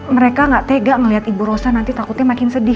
mereka gak tega melihat ibu rosa nanti takutnya makin sedih